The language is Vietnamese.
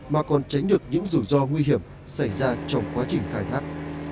mà còn tránh được những rủi ro nguy hiểm xảy ra trong quá trình khai thác